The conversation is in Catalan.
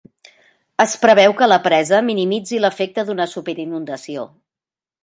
Es preveu que la presa minimitzi l'efecte d'una superinundació.